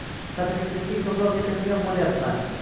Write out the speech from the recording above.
qadringizga ko'proq yetadigan bo'layapman